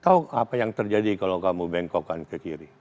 tahu apa yang terjadi kalau kamu bengkokkan ke kiri